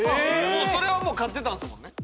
それはもう飼ってたんすもんね。